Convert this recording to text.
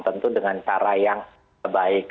tentu dengan cara yang baik